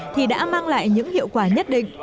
thì đã mang lại những hiệu quả nhất định